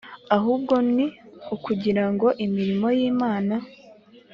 Ahubwoni ukugirango imirimo yimana